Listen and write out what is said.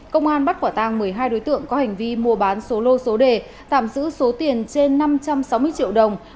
công an bắt quả tăng một mươi hai đối tượng có hành vi mua bán số lô số đề tạm giữ số tiền trên năm trăm sáu mươi triệu đồng